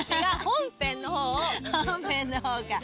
本編の方か。